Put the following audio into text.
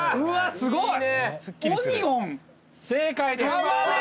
すごいね。